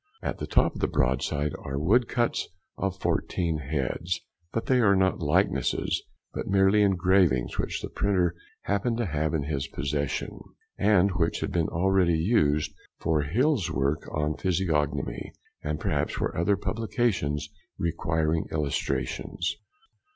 At the top of the broadside are woodcuts of fourteen heads, but they are not likenesses, but merely engravings which the printer happened to have in his possession, and which had been already used for Hill's work on Physiognomy, and perhaps for other publications requiring illustrations.